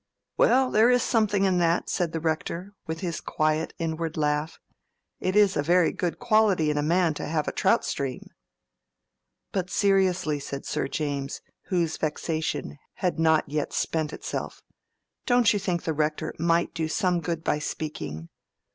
"Well, there is something in that," said the Rector, with his quiet, inward laugh. "It is a very good quality in a man to have a trout stream." "But seriously," said Sir James, whose vexation had not yet spent itself, "don't you think the Rector might do some good by speaking?"